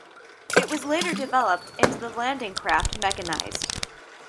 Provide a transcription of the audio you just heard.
It was later developed into the landing craft mechanised.